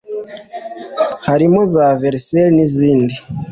harimo za Versaille n’izindi